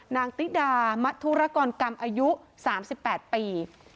นางติดามะธุรกรกรรมอายุ๓๘ปี